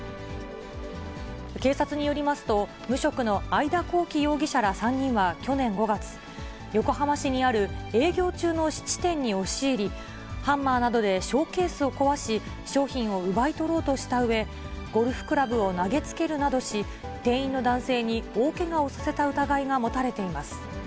警察によりますと、無職の会田幸樹容疑者ら３人は去年５月、横浜市にある営業中の質店に押し入り、ハンマーなどでショーケースを壊し、商品を奪い取ろうとしたうえ、ゴルフクラブを投げつけるなどし、店員の男性に大けがをさせた疑いが持たれています。